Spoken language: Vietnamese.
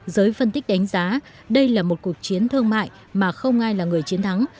giới phân tích đánh giá đây là một cuộc chiến thương mại mà không ai là người chiến thắng